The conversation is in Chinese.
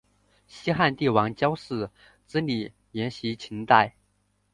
西汉帝王郊祀之礼沿袭秦代。